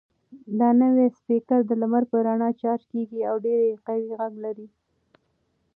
دا نوی سپیکر د لمر په رڼا چارج کیږي او ډېر قوي غږ لري.